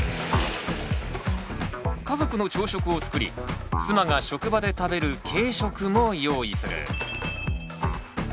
家族の朝食を作り妻が職場で食べる軽食も用意する。